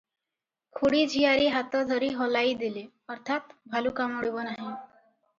ଖୁଡ଼ି ଝିଆରୀ ହାତ ଧରି ହଲାଇ ଦେଲେ - ଅର୍ଥାତ୍, ଭାଲୁ କାମୁଡ଼ିବ ନାହିଁ ।